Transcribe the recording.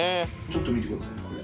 ちょっと見てください